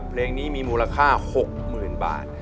เพลงนี้มีมูลค่า๖๐๐๐บาท